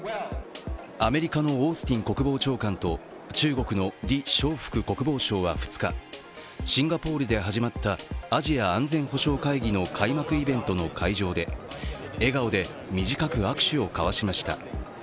アメリカのオースティン国防長官と中国の李尚福国防相は２日、シンガポールで始まったアジア安全保障会議の開幕イベントの会場で、笑顔で短く握手を交わしました。